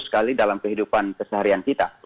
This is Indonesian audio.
sekali dalam kehidupan keseharian kita